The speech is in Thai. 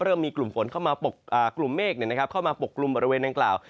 เริ่มมีกลุ่มเมฆเข้ามาปกกลุ่มบริเวณนางกล่าว